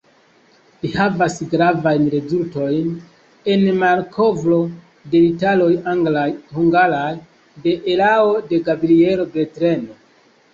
Li havas gravajn rezultojn en malkovro de rilatoj anglaj-hungaraj, de erao de Gabrielo Bethlen.